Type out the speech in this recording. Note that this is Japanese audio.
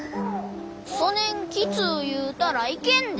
そねんきつう言うたらいけんで。